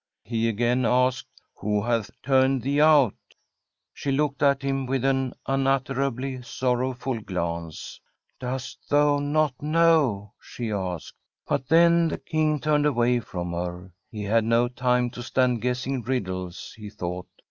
He again asked: * Who hath turned thee out ?' She looked at him with an unutterably sor rowful glance. * Dost thou not know ?' she asked. But then the King turned away from her. He had no time to stand guessing riddles, he thought.